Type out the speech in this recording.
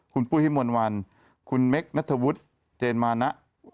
คุณปุ๊ยพิมวรวัลคุณเมกนัททวุษเจนมานะ